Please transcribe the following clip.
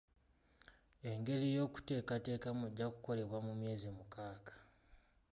Engeri y'okuteekateekamu ejja kukolebwa mu myezi mukaaga.